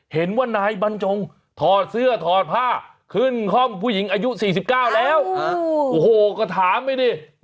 เห็นว่านายบรรจงถอดเสื้อถอดผ้าขึ้นห้องผู้หญิงอายุ๔๙แล้วโอ้โหก็ถามไปดิ